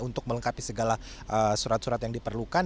untuk melengkapi segala surat surat yang diperlukan